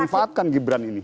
manfaatkan gibran ini